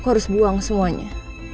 aku harus buang semuanya